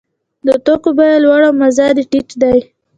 د توکو بیه لوړه او مزد یې ټیټ دی